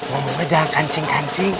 mau belajar kancing kancing